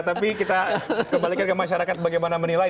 tapi kita kembalikan ke masyarakat bagaimana menilai